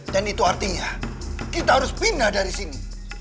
dan itu artinya kita harus pindah dari sini